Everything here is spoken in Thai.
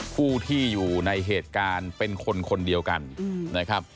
ผู้ที่อยู่ในเหตุการณ์เป็นคนคนเดียวกันนะครับ